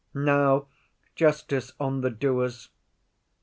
Now, justice on the doers!